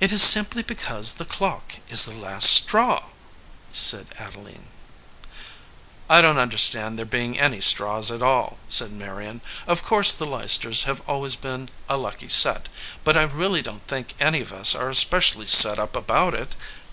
"It is simply because the clock is the last straw," said Adeline. "I don t understand thee being any straws at all," said Marion. "Of course the Leicesters have always been a lucky set; but I really don t think any of us are especially set up about it.